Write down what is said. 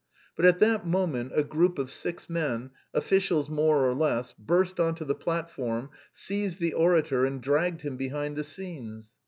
But at that moment a group of six men, officials more or less, burst on to the platform, seized the orator and dragged him behind the scenes.